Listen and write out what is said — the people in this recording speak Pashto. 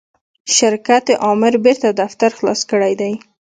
شرکت آمر بیرته دفتر خلاص کړی دی.